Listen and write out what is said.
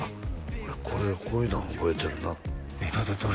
俺これこういうの覚えてるなえっどれ？